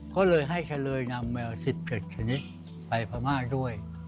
ก็เลยให้เฉลยนำ๑๗ชนิดแมวไปภามาร์ด้วย